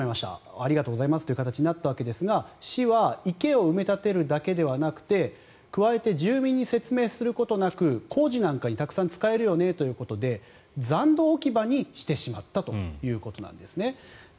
ありがとうございますという形になったわけですが市は池を埋め立てるだけでなく加えて住民に説明することなく工事なんかにたくさん使えるよねということで残土置き場にしてしまったということです。